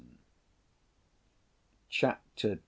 Chapter II.